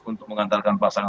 untuk mengantarkan pasangan